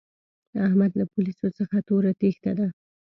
احمد له پوليسو څخه توره تېښته ده.